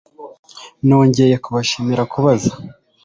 Nongeye kubashimira kubaza